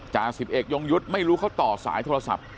จ่าสิบเอกยงยุทธ์ไม่รู้เขาต่อสายโทรศัพท์